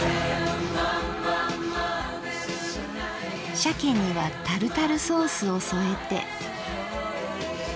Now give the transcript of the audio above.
鮭にはタルタルソースを添えて。